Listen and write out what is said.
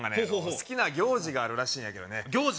好きな行事があるらしいんやけど行事？